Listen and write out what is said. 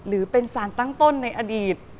หรือเป็นสารตั้งต้นในอดีต